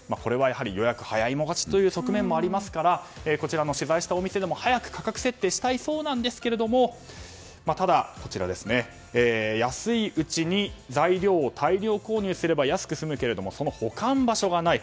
予約も早い者勝ちという側面もありますからこちらの取材したお店でも早く価格設定をしたいそうなんですがただ、安いうちに材料を大量購入すれば安く済むけれどもその保管場所がない。